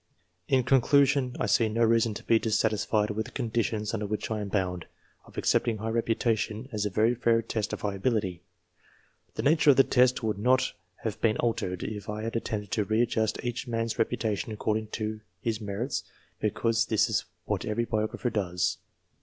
In conclusion, I see no reason to be dissatisfied with the conditions of accepting high reputation as a very fair test of high ability. The nature of the test would not have been altered, if an attempt had been made to readjust each man's reputation according to his merits, because this is what every biographer does.